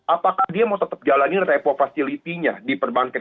apakah dia mau tetap jalanin repo facility nya di perbank